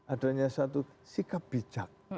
adanya suatu sikap bijak